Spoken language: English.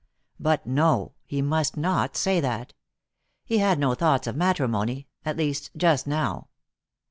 But no he must not say that. He had no thoughts of matrimony at least, just now.